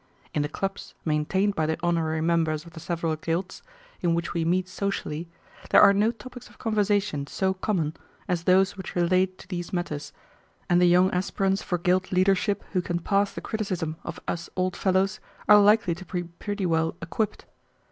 In the clubs maintained by the honorary members of the several guilds, in which we meet socially, there are no topics of conversation so common as those which relate to these matters, and the young aspirants for guild leadership who can pass the criticism of us old fellows are likely to be pretty well equipped.